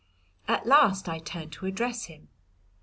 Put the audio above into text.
At last I turned to address him.